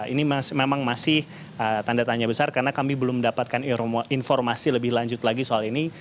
ini memang masih tanda tanya besar karena kami belum mendapatkan informasi lebih lanjut lagi soal ini